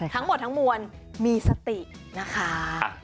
ทั้งหมดทั้งมวลมีสตินะคะ